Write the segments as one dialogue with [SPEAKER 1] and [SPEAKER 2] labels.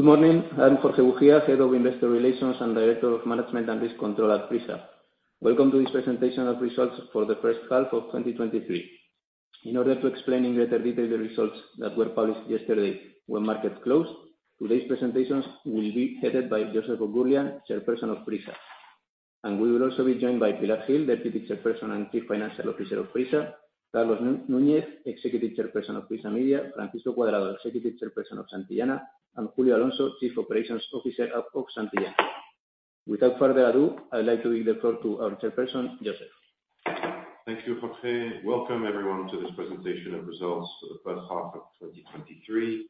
[SPEAKER 1] Good morning. I'm Jorge Bujia, Head of Investor Relations and Director of Management and Risk Control at Prisa. Welcome to this presentation of results for the first half of 2023. In order to explain in greater detail the results that were published yesterday when market closed, today's presentations will be headed by Joseph Oughourlian, Chairperson of Prisa. We will also be joined by Pilar Gil, Deputy Chairperson and Chief Financial Officer of Prisa, Carlos Núñez, Executive Chairperson of Prisa Media, Francisco Cuadrado, Executive Chairperson of Santillana, and Julio Alonso, Chief Operations Officer at Santillana. Without further ado, I'd like to give the floor to our Chairperson, Joseph.
[SPEAKER 2] Thank you, Jorge. Welcome everyone, to this presentation of results for the first half of 2023.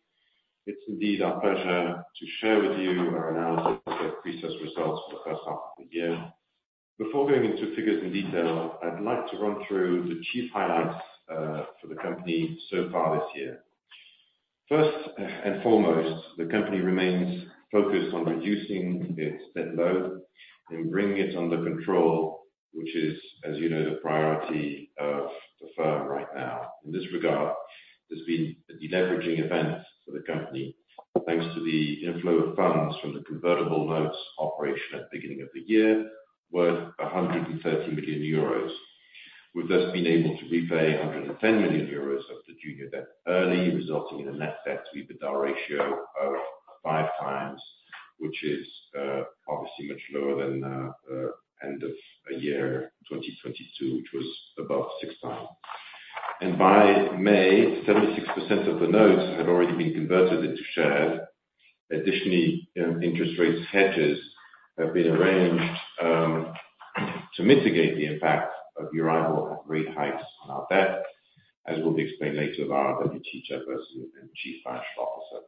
[SPEAKER 2] It's indeed our pleasure to share with you our analysis of Prisa's results for the first half of the year. Before going into figures in detail, I'd like to run through the chief highlights for the company so far this year. First and foremost, the company remains focused on reducing its debt load and bringing it under control, which is, as you know, the priority of the firm right now. In this regard, there's been a deleveraging event for the company, thanks to the inflow of funds from the convertible notes operation at the beginning of the year, worth 130 million euros. We've just been able to repay 110 million euros of the junior debt early, resulting in a net debt to EBITDA ratio of 5x, which is obviously much lower than end of year 2022, which was above 6x. By May, 76% of the notes had already been converted into shares. Additionally, interest rates hedges have been arranged to mitigate the impact of Euribor at rate heights on our debt, as will be explained later by our Deputy Chairperson and Chief Financial Officer.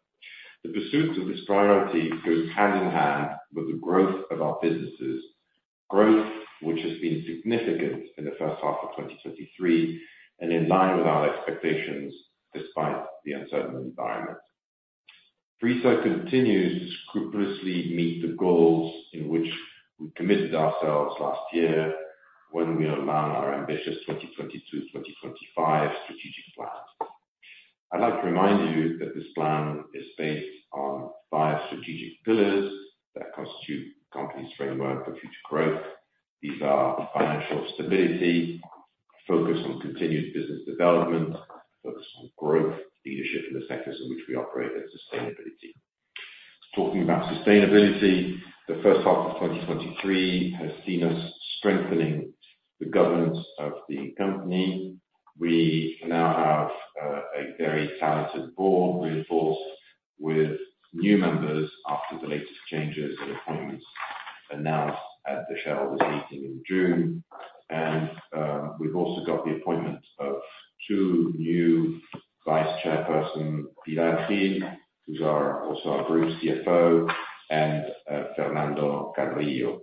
[SPEAKER 2] The pursuit of this priority goes hand in hand with the growth of our businesses. Growth, which has been significant in the first half of 2023, and in line with our expectations, despite the uncertain environment. Prisa continues to scrupulously meet the goals in which we committed ourselves last year when we announced our ambitious 2022/2025 strategic plan. I'd like to remind you that this plan is based on five strategic pillars that constitute the company's framework for future growth. These are financial stability, focus on continued business development, focus on growth, leadership in the sectors in which we operate, and sustainability. Talking about sustainability, the first half of 2023 has seen us strengthening the governance of the company. We now have a very talented board, reinforced with new members after the latest changes and appointments announced at the shareholders meeting in June. We've also got the appointment of two new vice chairperson, Pilar Gil, who's also our group CFO, and Fernando Carrillo.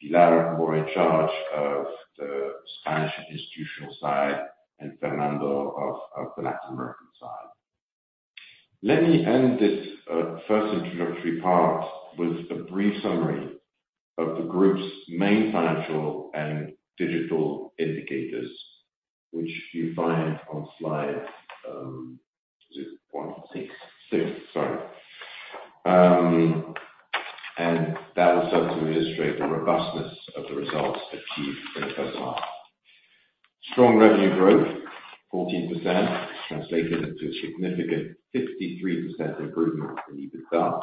[SPEAKER 2] Pilar will be in charge of the Spanish institutional side, and Fernando, of the Latin American side. Let me end this first introductory part with a brief summary of the group's main financial and digital indicators, which you find on slide one?
[SPEAKER 3] Six.
[SPEAKER 2] Six, sorry. That will serve to illustrate the robustness of the results achieved in the first half. Strong revenue growth, 14%, translated into a significant 53% improvement in EBITDA,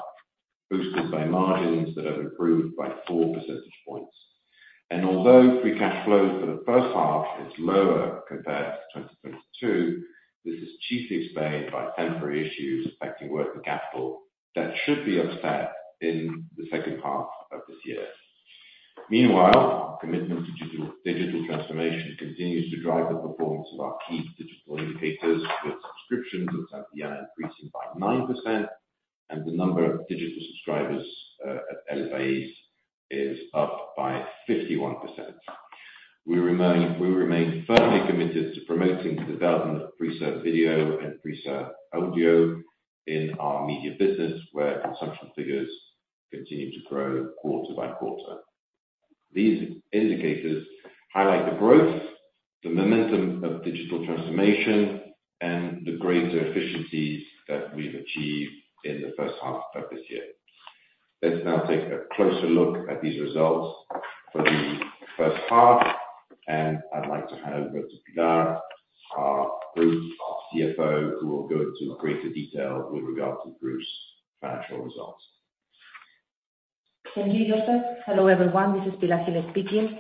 [SPEAKER 2] boosted by margins that have improved by four percentage points. Although free cash flow for the first half is lower compared to 2022, this is chiefly explained by temporary issues affecting working capital that should be offset in the second half of this year. Meanwhile, our commitment to digital transformation continues to drive the performance of our key digital indicators, with subscriptions of Santillana increasing by 9%, and the number of digital subscribers at El Pais is up by 51%. We remain firmly committed to promoting the development of PRISA Video and PRISA Audio in our media business, where consumption figures continue to grow quarter by quarter. These indicators highlight the growth, the momentum of digital transformation, and the greater efficiencies that we've achieved in the first half of this year. Let's now take a closer look at these results for the first half. I'd like to hand over to Pilar, our group, our CFO, who will go into greater detail with regard to the group's financial results.
[SPEAKER 3] Thank you, Joseph. Hello, everyone, this is Pilar Gil speaking.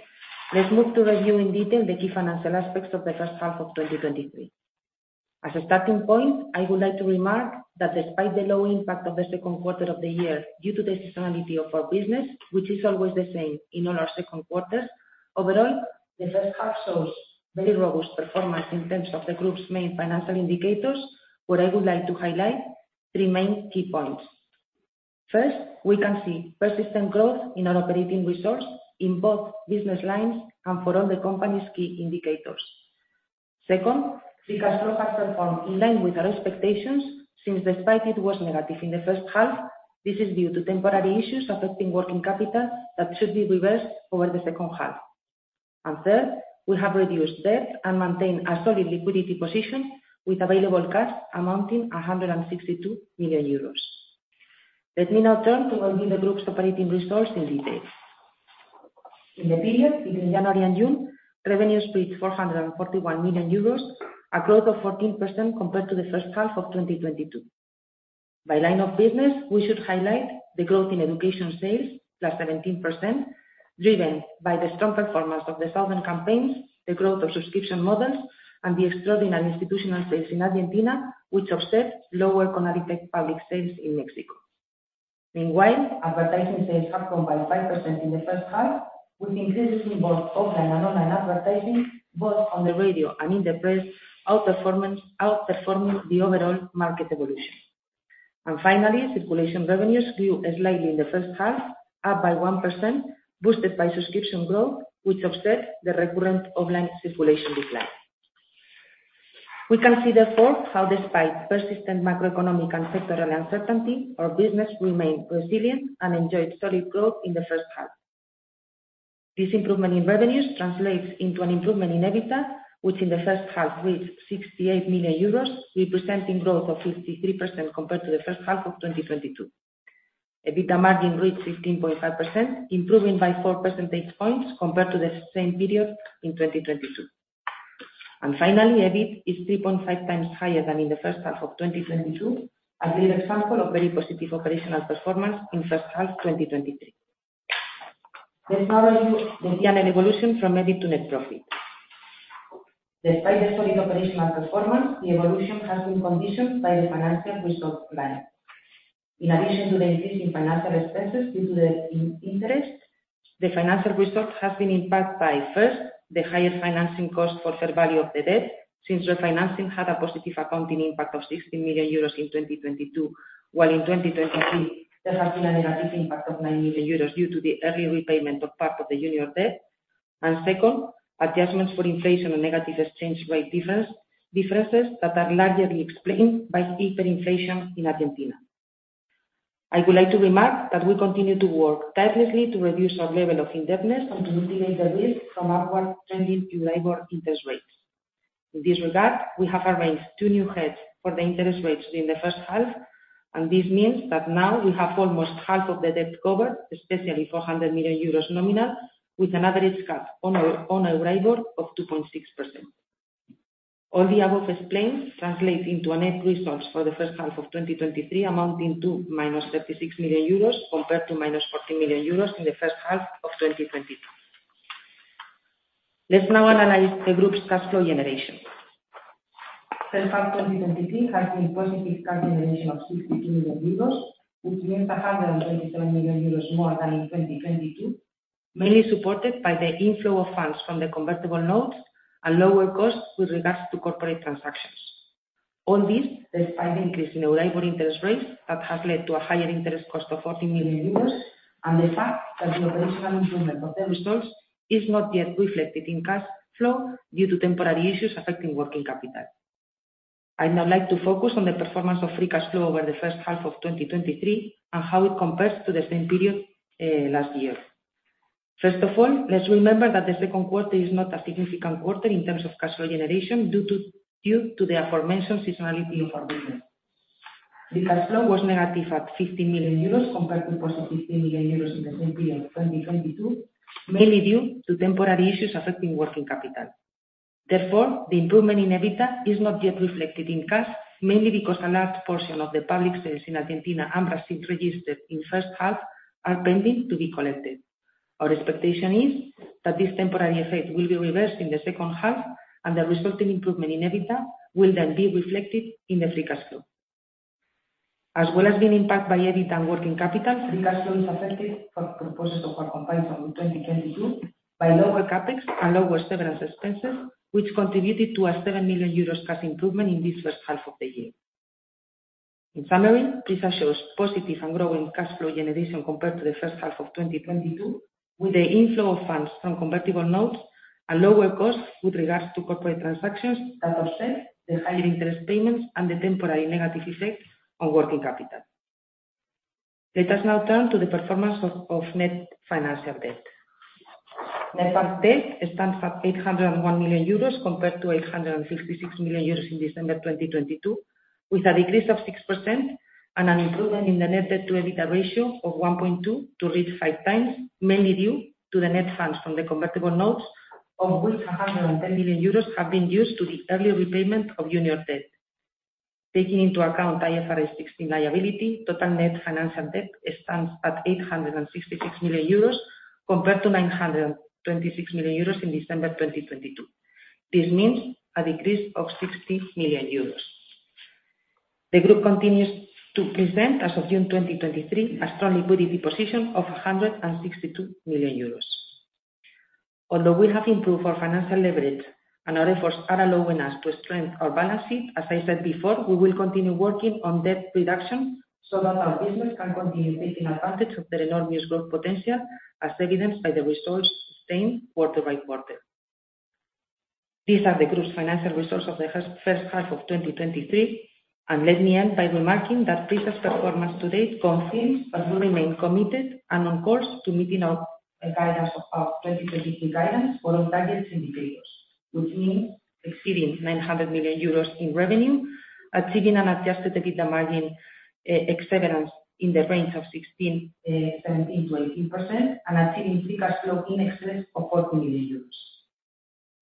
[SPEAKER 3] Let's move to review in detail the key financial aspects of the first half of 2023. As a starting point, I would like to remark that despite the low impact of the Q2 of the year, due to the seasonality of our business, which is always the same in all our Q2. Overall, the first half shows very robust performance in terms of the group's main financial indicators, where I would like to highlight three main key points. First, we can see persistent growth in our operating resource in both business lines and for all the company's key indicators. Second, free cash flow has performed in line with our expectations, since despite it was negative in the first half, this is due to temporary issues affecting working capital that should be reversed over the second half.... Third, we have reduced debt and maintained a solid liquidity position, with available cash amounting 162 million euros. Let me now turn to reviewing the group's operating results in detail. In the period between January and June, revenues reached 441 million euros, a growth of 14% compared to the first half of 2022. By line of business, we should highlight the growth in education sales, plus 17%, driven by the strong performance of the southern campaigns, the growth of subscription models, and the extraordinary institutional sales in Argentina, which offset lower CONALITEG public sales in Mexico. Meanwhile, advertising sales have grown by 5% in the first half, with increases in both offline and online advertising, both on the radio and in the press, outperforming the overall market evolution. Circulation revenues grew slightly in the first half, up by 1%, boosted by subscription growth, which offset the recurrent offline circulation decline. We can see, therefore, how despite persistent macroeconomic and sectoral uncertainty, our business remained resilient and enjoyed solid growth in the first half. This improvement in revenues translates into an improvement in EBITDA, which in the first half reached 68 million euros, representing growth of 53% compared to the first half of 2022. EBITDA margin reached 16.5%, improving by 4% points compared to the same period in 2022. EBIT is 3.5x higher than in the first half of 2022, a clear example of very positive operational performance in first half 2023. Let's now review the PNL evolution from EBIT to net profit. Despite the solid operational performance, the evolution has been conditioned by the financial results decline. In addition to the increase in financial expenses due to the iinterest, the financial results have been impacted by, first, the higher financing cost for fair value of the debt, since refinancing had a positive accounting impact of 16 million euros in 2022, while in 2023, there has been a negative impact of 9 million euros due to the early repayment of part of the junior debt. Second, adjustments for inflation and negative exchange rate difference, differences that are largely explained by steeper inflation in Argentina. I would like to remark that we continue to work tirelessly to reduce our level of indebtedness and to mitigate the risk from upward trending in labor interest rates. In this regard, we have arranged two new heads for the interest rates during the first half, and this means that now we have almost half of the debt covered, especially 400 million euros nominal, with an average cut on our, on our labor of 2.6%. All the above explained translates into a net resource for the first half of 2023, amounting to minus 36 million euros, compared to minus 14 million euros in the first half of 2022. Let's now analyze the group's cash flow generation. First half 2023 has been positive cash generation of 62 million euros, which means 127 million euros more than in 2022, mainly supported by the inflow of funds from the convertible notes and lower costs with regards to corporate transactions. All this despite the increase in labor interest rates, that has led to a higher interest cost of 40 million euros, and the fact that the operational improvement of the results is not yet reflected in cash flow due to temporary issues affecting working capital. I'd now like to focus on the performance of free cash flow over the first half of 2023, and how it compares to the same period last year. First of all, let's remember that the Q2 is not a significant quarter in terms of cash flow generation due to the aforementioned seasonality of our business. The cash flow was negative at 50 million euros compared to positive 10 million euros in the same period, 2022, mainly due to temporary issues affecting working capital. Therefore, the improvement in EBITDA is not yet reflected in cash, mainly because a large portion of the public sales in Argentina and Brazil registered in first half are pending to be collected. Our expectation is that this temporary effect will be reversed in the second half, and the resulting improvement in EBITDA will then be reflected in the free cash flow. As well as being impacted by EBITDA and working capital, free cash flow is affected for purposes of our comparison with 2022 by lower CapEx and lower severance expenses, which contributed to a 7 million euros cash improvement in this first half of the year. In summary, this ensures positive and growing cash flow generation compared to the first half of 2022, with the inflow of funds from convertible notes and lower costs with regards to corporate transactions that offset the higher interest payments and the temporary negative effect on working capital. Let us now turn to the performance of net financial debt. Net debt stands at 801 million euros compared to 856 million euros in December 2022, with a decrease of 6% and an improvement in the net debt to EBITDA ratio of 1.2 to 5x mainly due to the net funds from the convertible notes, of which 110 million euros have been used to the early repayment of junior debt. Taking into account IFRS 16 liability, total net financial debt stands at 866 million euros, compared to 926 million euros in December 2022. This means a decrease of 60 million euros. The group continues to present, as of June 2023, a strong liquidity position of 162 million euros. Although we have improved our financial leverage and our efforts are allowing us to strengthen our balance sheet, as I said before, we will continue working on debt reduction so that our business can continue taking advantage of the enormous growth potential, as evidenced by the results sustained quarter by quarter. These are the group's financial results of the first half of 2023. Let me end by remarking that PRISA's performance to date confirms that we remain committed and on course to meeting our guidance of, our 2023 guidance for all target indicators, which means exceeding 900 million euros in revenue, achieving an adjusted EBITDA margin, excellence in the range of 17%-18%, and achieving free cash flow in excess of 40 million euros.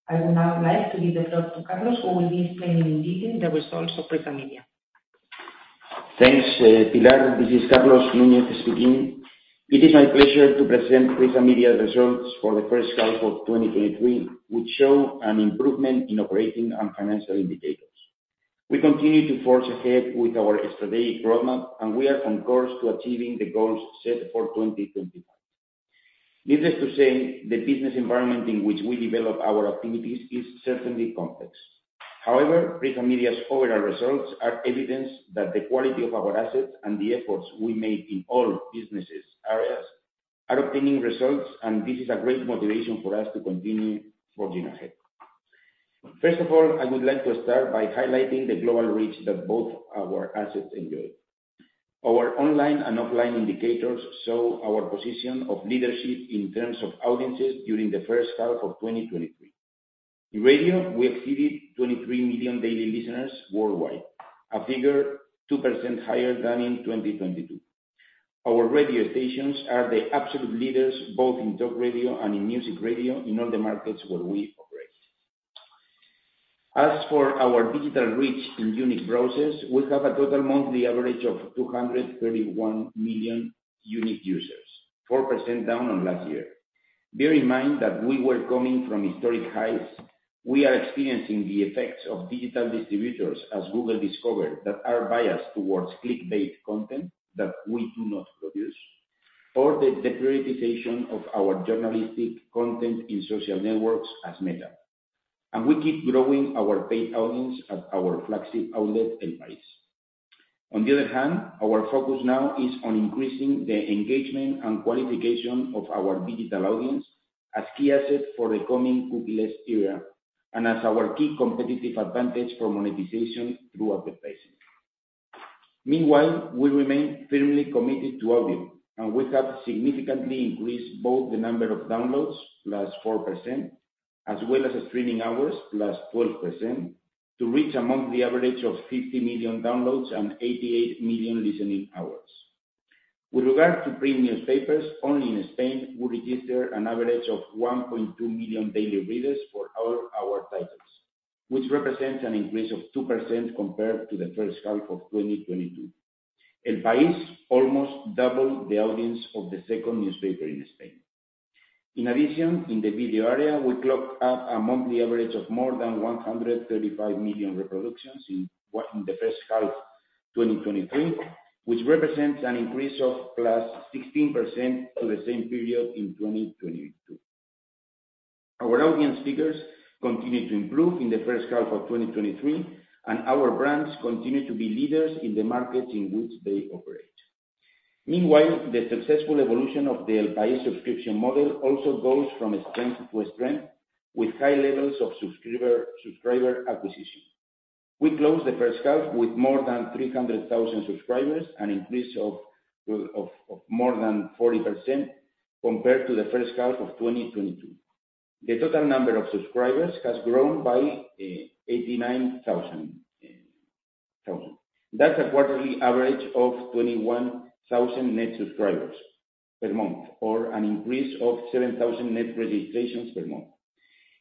[SPEAKER 3] I would now like to give the floor to Carlos, who will be explaining in detail the results of PRISA Media.
[SPEAKER 4] Thanks, Pilar. This is Carlos Núñez speaking. It is my pleasure to present Prisa Media results for the first half of 2023, which show an improvement in operating and financial indicators. We continue to forge ahead with our strategic roadmap. We are on course to achieving the goals set for 2025. Needless to say, the business environment in which we develop our activities is certainly complex. Prisa Media's overall results are evidence that the quality of our assets and the efforts we make in all businesses areas are obtaining results. This is a great motivation for us to continue forging ahead. First of all, I would like to start by highlighting the global reach that both our assets enjoy. Our online and offline indicators show our position of leadership in terms of audiences during the first half of 2023. In radio, we exceeded 23 million daily listeners worldwide, a figure 2% higher than in 2022. Our radio stations are the absolute leaders, both in talk radio and in music radio, in all the markets where we operate. As for our digital reach in unique browsers, we have a total monthly average of 231 million unique users, 4% down on last year. Bear in mind that we were coming from historic highs. We are experiencing the effects of digital distributors, as Google Discover, that are biased towards clickbait content that we do not produce, or the deprioritization of our journalistic content in social networks as Meta. We keep growing our paid audience at our flagship outlet, El País. On the other hand, our focus now is on increasing the engagement and qualification of our digital audience as key assets for the coming cookieless era, and as our key competitive advantage for monetization throughout the places. Meanwhile, we remain firmly committed to audio, and we have significantly increased both the number of downloads, +4%, as well as the streaming hours, +12%, to reach a monthly average of 50 million downloads and 88 million listening hours. With regard to print newspapers, only in Spain, we register an average of 1.2 million daily readers for all our titles, which represents an increase of 2% compared to the first half of 2022. El País almost double the audience of the second newspaper in Spain. In addition, in the video area, we clocked up a monthly average of more than 135 million reproductions in the first half 2023, which represents an increase of +16% to the same period in 2022. Our audience figures continued to improve in the first half of 2023, and our brands continue to be leaders in the markets in which they operate. Meanwhile, the successful evolution of the El País subscription model also goes from strength to strength, with high levels of subscriber acquisition. We closed the first half with more than 300,000 subscribers, an increase of more than 40% compared to the first half of 2022. The total number of subscribers has grown by 89,000. That's a quarterly average of 21,000 net subscribers per month, or an increase of 7,000 net registrations per month.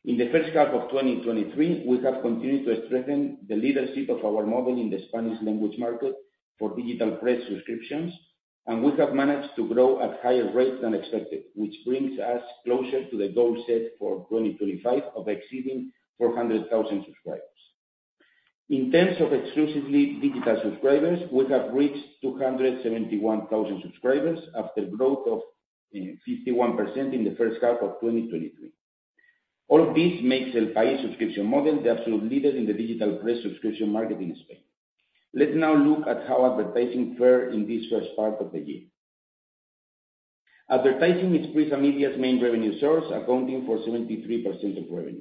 [SPEAKER 4] In the first half of 2023, we have continued to strengthen the leadership of our model in the Spanish language market for digital press subscriptions, and we have managed to grow at higher rates than expected, which brings us closer to the goal set for 2025 of exceeding 400,000 subscribers. In terms of exclusively digital subscribers, we have reached 271,000 subscribers after growth of 51% in the first half of 2023. All this makes El País subscription model the absolute leader in the digital press subscription market in Spain. Let's now look at how advertising fared in this first part of the year. Advertising is Prisa Media's main revenue source, accounting for 73% of revenue.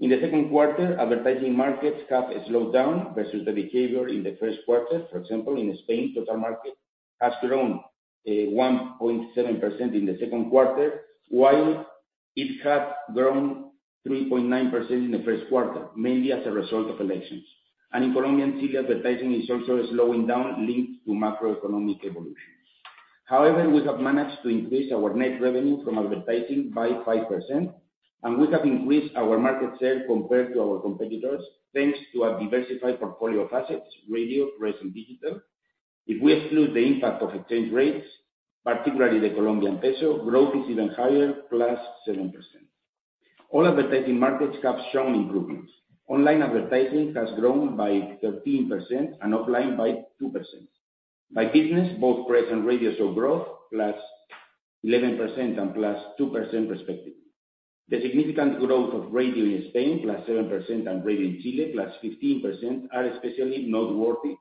[SPEAKER 4] In the Q2, advertising markets have a slowdown versus the behavior in the first quarter. For example, in Spain, total market has grown 1.7% in the Q2, while it had grown 3.9% in the first quarter, mainly as a result of elections. In Colombian Chile, advertising is also slowing down, linked to macroeconomic evolution. However, we have managed to increase our net revenue from advertising by 5%, and we have increased our market share compared to our competitors, thanks to a diversified portfolio of assets, radio, press, and digital. If we exclude the impact of exchange rates, particularly the Colombian peso, growth is even higher, plus 7%. All advertising markets have shown improvements. Online advertising has grown by 13% and offline by 2%. By business, both press and radio show growth, +11% and +2% respectively. The significant growth of radio in Spain, +7%, and radio in Chile, +15%, are especially noteworthy.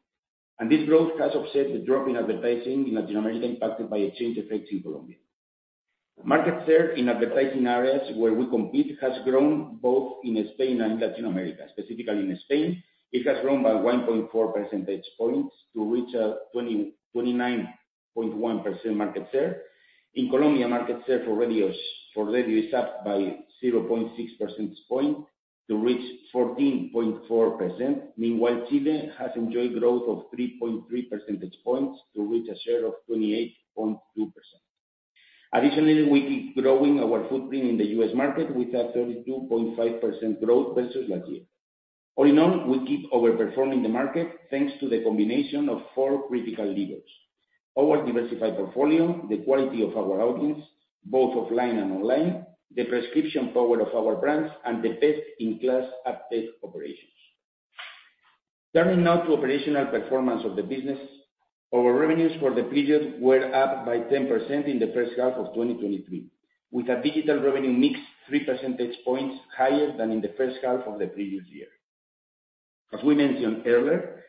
[SPEAKER 4] This growth has offset the drop in advertising in Latin America, impacted by a change effects in Colombia. Market share in advertising areas where we compete has grown both in Spain and Latin America. Specifically in Spain, it has grown by 1.4 percentage points to reach a 29.1% market share. In Colombia, market share for radio is up by 0.6 percent point to reach 14.4%. Meanwhile, Chile has enjoyed growth of 3.3 percentage points to reach a share of 28.2%. Additionally, we keep growing our footprint in the U.S. market, with a 32.5% growth versus last year. All in all, we keep overperforming the market, thanks to the combination of four critical levers: our diversified portfolio, the quality of our audience, both offline and online, the prescription power of our brands, and the best-in-class adtech operations. Turning now to operational performance of the business, our revenues for the period were up by 10% in the first half of 2023, with a digital revenue mix 3 percentage points higher than in the first half of the previous year. As we mentioned earlier,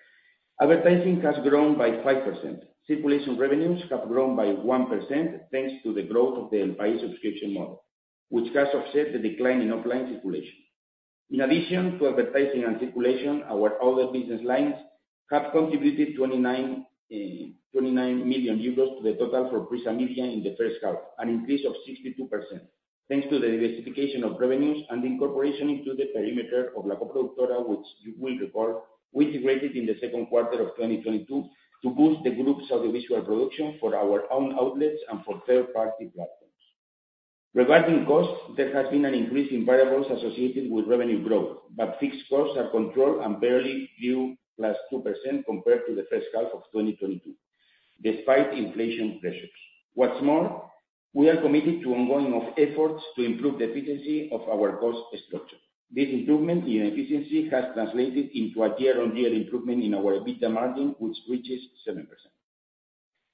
[SPEAKER 4] advertising has grown by 5%. Circulation revenues have grown by 1%, thanks to the growth of the paid subscription model, which has offset the decline in offline circulation. In addition to advertising and circulation, our other business lines have contributed 29 million euros to the total for Prisa Media in the first half, an increase of 62%, thanks to the diversification of revenues and the incorporation into the perimeter of Lacoproductora, which you will recall, we integrated in the Q2 of 2022, to boost the group's audiovisual production for our own outlets and for third-party platforms. Regarding costs, there has been an increase in variables associated with revenue growth, but fixed costs are controlled and barely grew +2% compared to the first half of 2022, despite inflation pressures. What's more, we are committed to ongoing of efforts to improve the efficiency of our cost structure. This improvement in efficiency has translated into a year-on-year improvement in our EBITDA margin, which reaches 7%.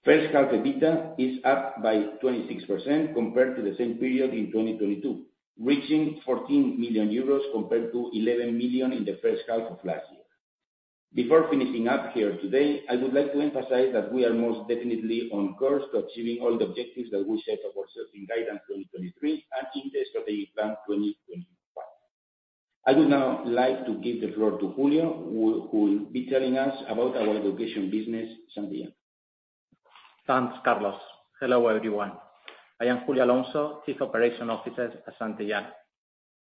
[SPEAKER 4] First half EBITDA is up by 26% compared to the same period in 2022, reaching 14 million euros compared to 11 million in the first half of last year. Before finishing up here today, I would like to emphasize that we are most definitely on course to achieving all the objectives that we set for ourselves in Guidance 2023, and in the strategic plan 2021. I would now like to give the floor to Julio, who will be telling us about our education business, Santillana.
[SPEAKER 5] Thanks, Carlos. Hello, everyone. I am Julio Alonso, Chief Operations Officer at Santillana.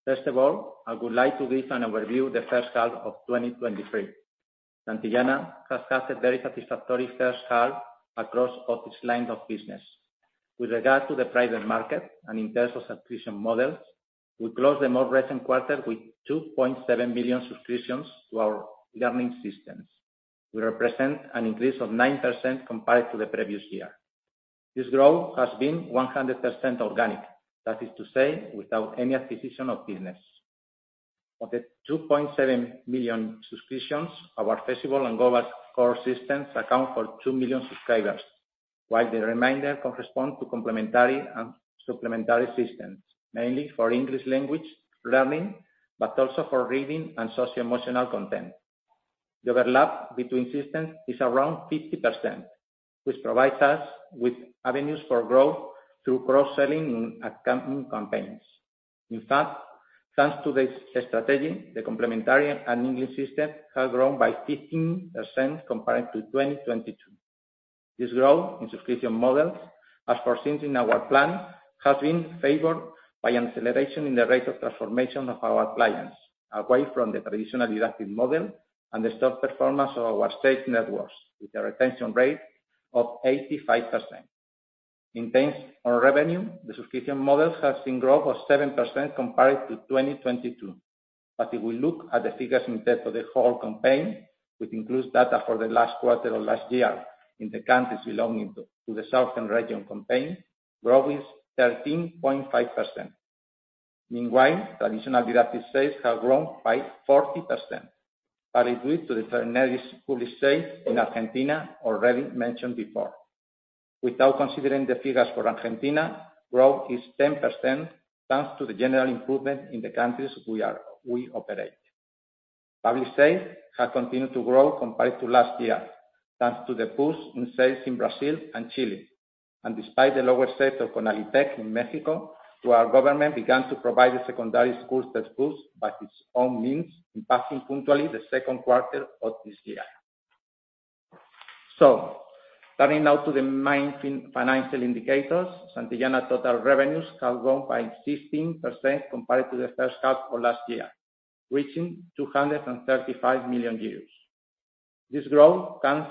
[SPEAKER 5] First of all, I would like to give an overview of the first half of 2023. Santillana has had a very satisfactory first half across all its lines of business. With regard to the private market and in terms of subscription models, we closed the more recent quarter with 2.7 million subscriptions to our learning systems, which represent an increase of 9% compared to the previous year. This growth has been 100% organic, that is to say, without any acquisition of business. Of the 2.7 million subscriptions, our Festival and Go! core systems account for 2 million subscribers, while the remainder correspond to complementary and supplementary systems, mainly for English language learning, but also for reading and socioemotional content. The overlap between systems is around 50%, which provides us with avenues for growth through cross-selling and accompanying campaigns. In fact, thanks to this strategy, the complementary and English system has grown by 15% compared to 2022. This growth in subscription models, as foreseen in our plan, has been favored by an acceleration in the rate of transformation of our clients away from the traditional deductive model and the stock performance of our state networks, with a retention rate of 85%. In terms of revenue, the subscription models have seen growth of 7% compared to 2022. If we look at the figures in terms of the whole campaign, which includes data for the last quarter of last year in the countries belonging to the southern region campaign, growth is 13.5%. Meanwhile, traditional derivative sales have grown by 40%, that is due to the extraordinary public sale in Argentina, already mentioned before. Without considering the figures for Argentina, growth is 10%, thanks to the general improvement in the countries we operate. Public sales have continued to grow compared to last year, thanks to the boost in sales in Brazil and Chile, and despite the lower sales of CONALITEG in Mexico, where our government began to provide the secondary school textbooks by its own means, in passing punctually the Q2 of this year. Turning now to the main financial indicators, Santillana total revenues have grown by 16% compared to the first half of last year, reaching 235 million euros. This growth comes,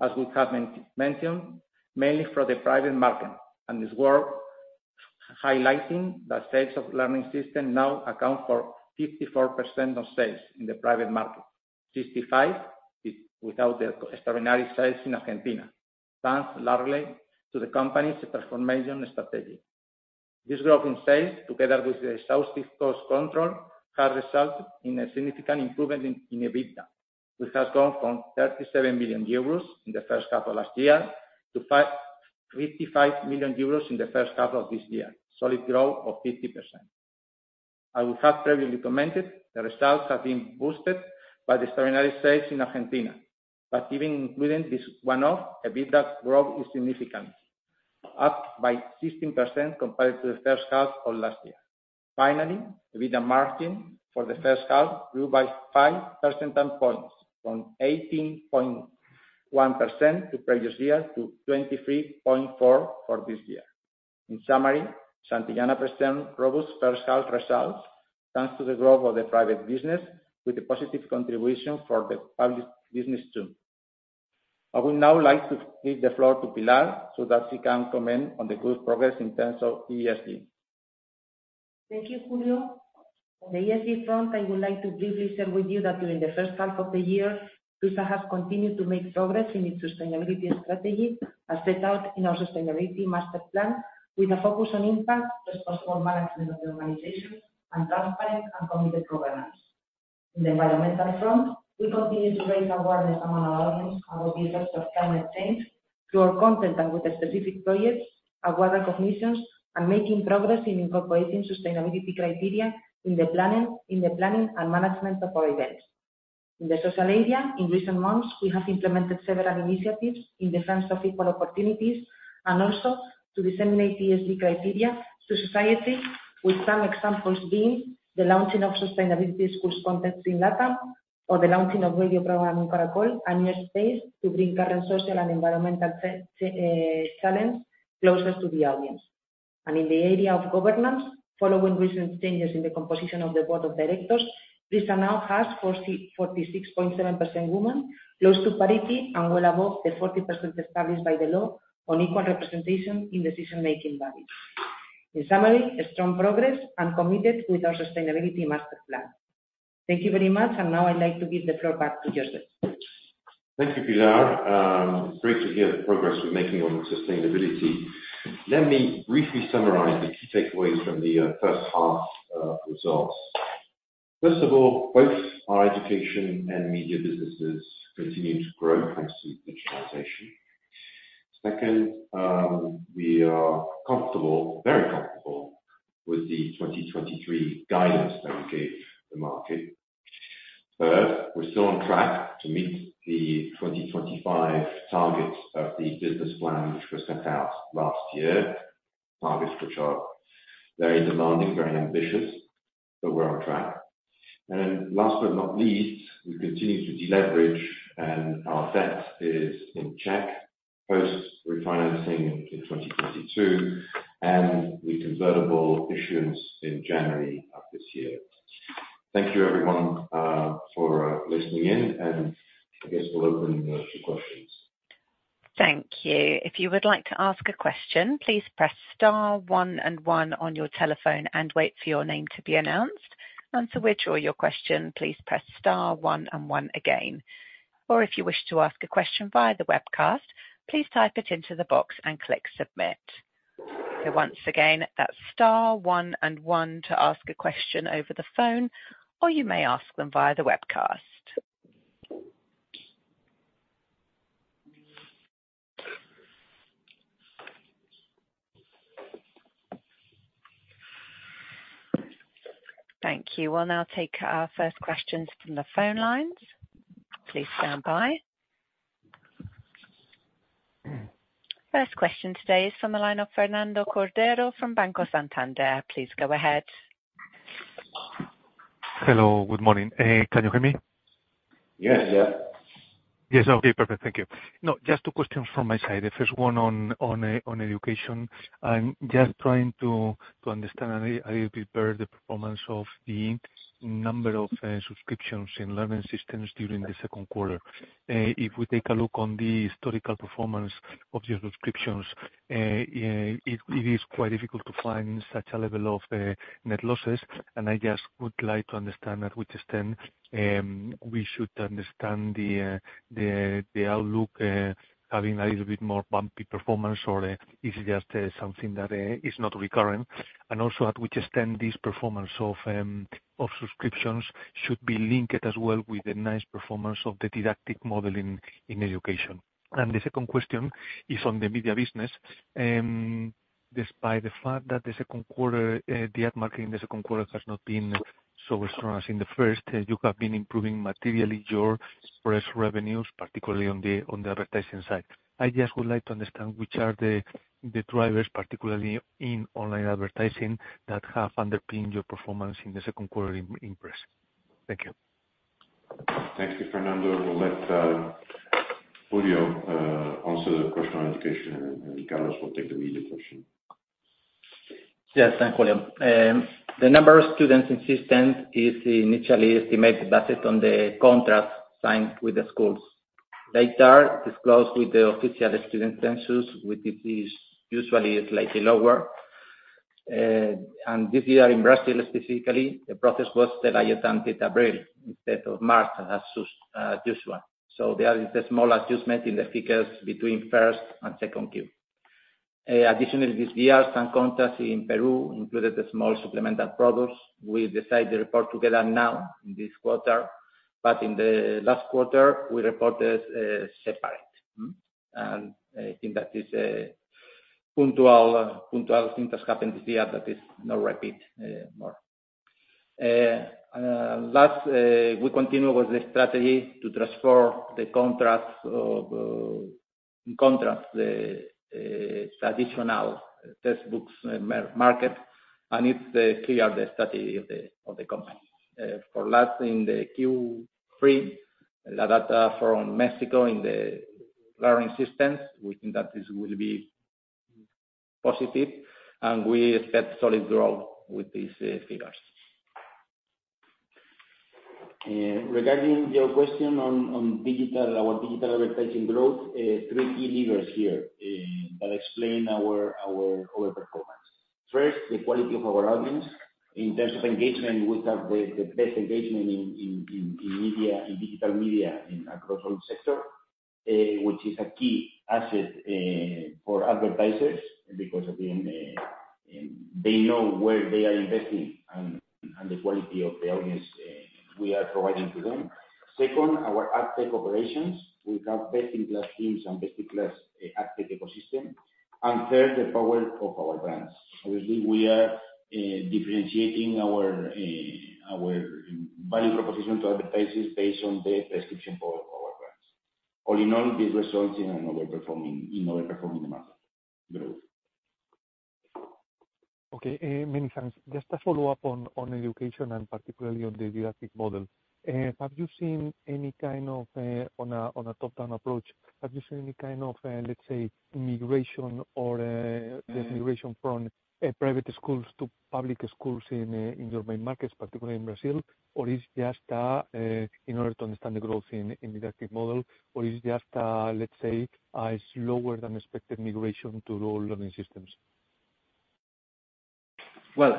[SPEAKER 5] as we have mentioned, mainly from the private market. It's worth highlighting that sales of learning system now account for 54% of sales in the private market, 55, without the extraordinary sales in Argentina, thanks largely to the company's transformation strategy. This growth in sales, together with the exhaustive cost control, has resulted in a significant improvement in EBITDA, which has gone from 37 million euros in the first half of last year to 55 million euros in the first half of this year, solid growth of 50%. I would have previously commented, the results have been boosted by the extraordinary sales in Argentina. Even including this one-off, EBITDA growth is significant, up by 16% compared to the first half of last year. Finally, EBITDA margin for the first half grew by 5 percentage points, from 18.1% previous year to 23.4% for this year. In summary, Santillana presents robust first half results, thanks to the growth of the private business, with a positive contribution for the public business, too. I would now like to give the floor to Pilar, so that she can comment on the group's progress in terms of ESG.
[SPEAKER 3] Thank you, Julio. On the ESG front, I would like to briefly share with you that during the first half of the year, Prisa has continued to make progress in its sustainability strategy, as set out in our sustainability master plan, with a focus on impact, responsible management of the organization, and transparent and committed governance. In the environmental front, we continue to raise awareness among our audience about the effects of climate change through our content and with specific projects, award recognitions, and making progress in incorporating sustainability criteria in the planning and management of our events. In the social area, in recent months, we have implemented several initiatives in the sense of equal opportunities, also to disseminate ESG criteria to society, with some examples being the launching of sustainability school's contents in Latin, or the launching of radio program, Caracol, a new space to bring current social and environmental challenge closer to the audience. In the area of governance, following recent changes in the composition of the board of directors, Prisa now has 46.7% women, close to parity and well above the 40% established by the law on equal representation in decision-making bodies. In summary, a strong progress and committed with our sustainability master plan. Thank you very much, and now I'd like to give the floor back to Joseph.
[SPEAKER 2] Thank you, Pilar. Great to hear the progress we're making on sustainability. Let me briefly summarize the key takeaways from the first half results. First of all, both our education and media businesses continue to grow, thanks to digitization. Second, we are comfortable, very comfortable, with the 2023 guidance that we gave the market. Third, we're still on track to meet the 2025 targets of the business plan, which were set out last year. Targets which are very demanding, very ambitious, but we're on track. Last but not least, we continue to deleverage, and our debt is in check, post-refinancing in 2022, and the convertible issuance in January of this year. Thank you, everyone, for listening in, and I guess we'll open the floor to questions.
[SPEAKER 6] Thank you. If you would like to ask a question, please press star one and one on your telephone and wait for your name to be announced. To withdraw your question, please press star one and one again. If you wish to ask a question via the webcast, please type it into the box and click submit. Once again, that's star one and one to ask a question over the phone, or you may ask them via the webcast. Thank you. We'll now take our first questions from the phone lines. Please stand by. First question today is from the line of Fernando Cordero from Banco Santander. Please go ahead.
[SPEAKER 7] Hello, good morning. Can you hear me?
[SPEAKER 2] Yes. Yeah.
[SPEAKER 7] Yes. Okay, perfect. Thank you. Just two questions from my side. The first one on education. I'm just trying to understand a little bit better the performance of the number of subscriptions in learning systems during the Q2. If we take a look on the historical performance of your subscriptions, it is quite difficult to find such a level of net losses. I just would like to understand at which extent we should understand the outlook, having a little bit more bumpy performance, or is it just something that is not recurrent? Also, at which extent this performance of subscriptions should be linked as well with the nice performance of the didactic model in education. The second question is on the media business. Despite the fact that the Q2, the ad market in the Q2 has not been so strong as in the first, you have been improving materially your press revenues, particularly on the advertising side. I just would like to understand which are the drivers, particularly in online advertising, that have underpinned your performance in the Q2 in press. Thank you.
[SPEAKER 2] Thank you, Fernando. We'll let Julio answer the question on education, and Carlos Núñez will take the media question.
[SPEAKER 5] Yes, thanks, William. The number of students in systems is initially estimated based on the contracts signed with the schools. Data are disclosed with the official student census, which is usually slightly lower. This year in Brazil, specifically, the process was delayed until April instead of March, as usual. There is a small adjustment in the figures between first and second Q. Additionally, this year, some contracts in Peru included the small supplemental products. We decided to report together now in this quarter, but in the last quarter, we reported separate. I think that is puntual things that happened this year that is not repeat more. Last, we continue with the strategy to transfer the contracts of the traditional textbooks market. It's the clear strategy of the company. For last, in the Q3, the data from Mexico in the learning systems, we think that this will be positive. We expect solid growth with these figures.
[SPEAKER 4] Regarding your question on digital, our digital advertising growth, three key leaders here that explain our, our performance. First, the quality of our audience. In terms of engagement, we have the best engagement in media, in digital media, in across all sector, which is a key asset for advertisers because they know where they are investing and the quality of the audience we are providing to them. Second, our adtech operations. We have best-in-class teams and best-in-class adtech ecosystem. Third, the power of our brands. Obviously, we are differentiating our value proposition to advertisers based on the prescription for our brands. All in all, this results in other performing the market growth.
[SPEAKER 7] Okay, many thanks. Just a follow-up on education and particularly on the didactic model. Have you seen any kind of, on a top-down approach, have you seen any kind of, let's say, immigration or immigration from private schools to public schools in your main markets, particularly in Brazil? Is just, in order to understand the growth in didactic model, or is just, let's say, a slower than expected immigration to lower learning systems?
[SPEAKER 5] Well,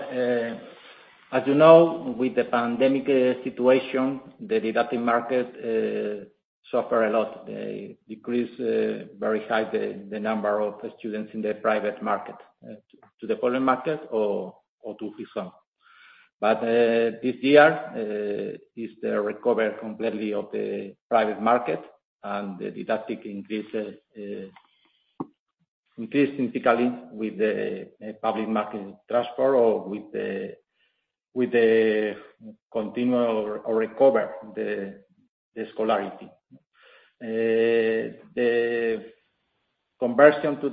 [SPEAKER 5] as you know, with the pandemic situation, the didactic market suffer a lot. They decrease very high the number of students in the private market to the public market or to his home. This year is the recovery completely of the private market, the didactic increase significantly with the public market transfer or with the continual or recover the scholarity. The conversion to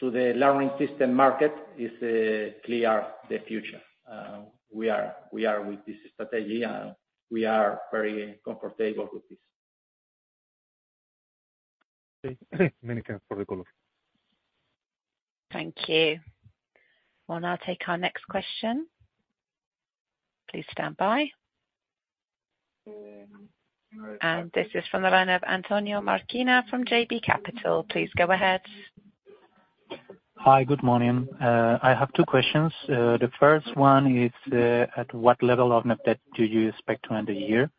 [SPEAKER 5] the learning system market is clear, the future. We are with this strategy, we are very comfortable with this.
[SPEAKER 7] Many thanks for the call.
[SPEAKER 6] Thank you. We'll now take our next question. Please stand by. This is from the line of Antonio Marquina from JB Capital Markets. Please go ahead.
[SPEAKER 8] Hi, good morning. I have two questions. The first one is, at what level of net debt do you expect to end the year?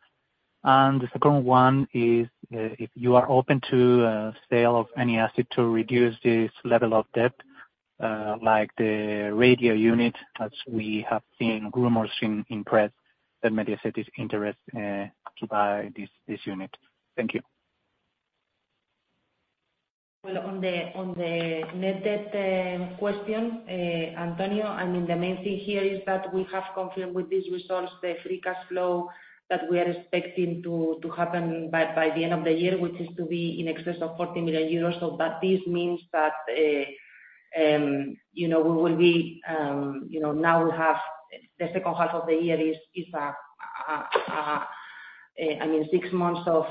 [SPEAKER 8] The second one is, if you are open to a sale of any asset to reduce this level of debt, like the radio unit, as we have seen rumors in press that Mediaset is interest, to buy this unit? Thank you.
[SPEAKER 3] Well, on the net debt question, Antonio, I mean, the main thing here is that we have confirmed with these results, the free cash flow that we are expecting to happen by the end of the year, which is to be in excess of 40 million euros. But this means that, you know, we will be, you know, now we have the second half of the year, I mean, six months of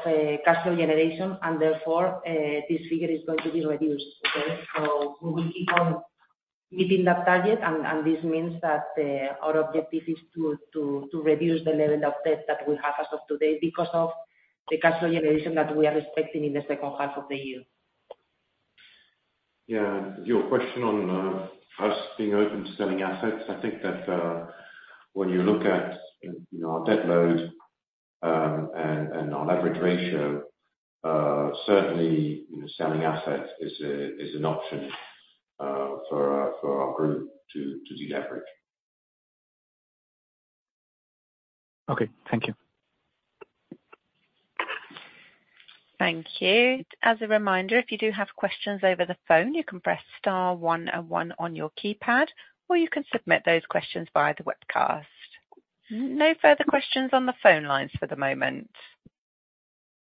[SPEAKER 3] cash flow generation, and therefore, this figure is going to be reduced. Okay. We will keep on meeting that target, and this means that our objective is to reduce the level of debt that we have as of today because of the cash flow generation that we are expecting in the second half of the year.
[SPEAKER 2] Yeah. Your question on us being open to selling assets, I think that when you look at, you know, our debt load, and our leverage ratio, certainly selling assets is an option for our group to deleverage.
[SPEAKER 8] Okay. Thank you.
[SPEAKER 6] Thank you. As a reminder, if you do have questions over the phone, you can press star one and one on your keypad, or you can submit those questions via the webcast. No further questions on the phone lines for the moment.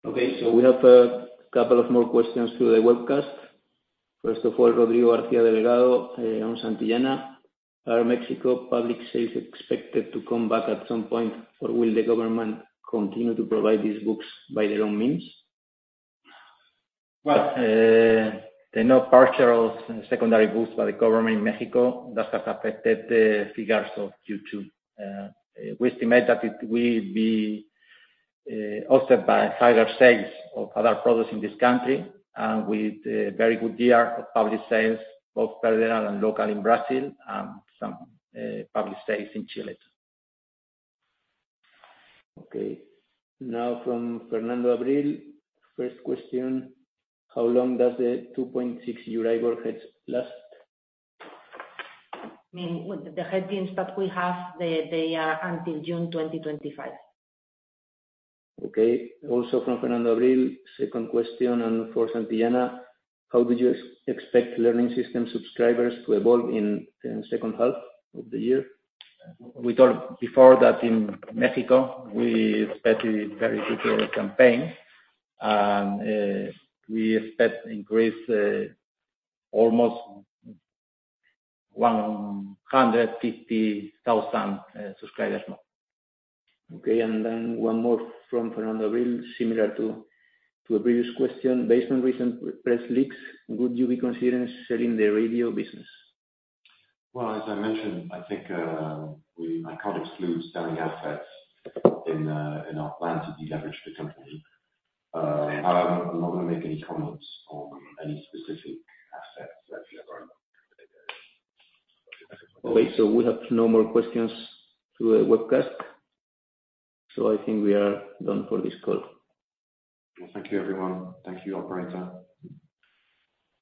[SPEAKER 4] Okay. We have a couple of more questions through the webcast. First of all, Rodrigo Garcia Delgado, on Santillana, are Mexico public sales expected to come back at some point, or will the government continue to provide these books by their own means?
[SPEAKER 5] The no purchase of secondary books by the government in Mexico, that has affected the figures of Q2. We estimate that it will be offset by higher sales of other products in this country, and with a very good year of public sales, both federal and local, in Brazil and some public sales in Chile.
[SPEAKER 4] Okay. Now, from Fernando Abril-Martorell. First question: How long does the 2.6 head last?
[SPEAKER 3] I mean, the head gains that we have, they are until June 2025.
[SPEAKER 4] Okay. Also from Fernando Abril-Martorell, second question, and for Santillana: How did you expect learning system subscribers to evolve in second half of the year?
[SPEAKER 5] We thought before that in Mexico, we expected very good campaign, and we expect increase, almost 150,000 subscribers more.
[SPEAKER 4] Okay. Then one more from Fernando Abril-Martorell, similar to a previous question. Based on recent press leaks, would you be considering selling the radio business?
[SPEAKER 2] Well, as I mentioned, I think, I can't exclude selling assets in our plan to deleverage the company. I'm not going to make any comments on any specific assets that we have.
[SPEAKER 4] Okay. We have no more questions through the webcast, so I think we are done for this call.
[SPEAKER 2] Thank you, everyone. Thank you, operator.